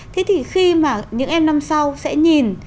thế thì khi mà những em năm sau sẽ nhìn